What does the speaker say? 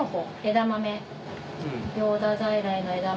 枝豆。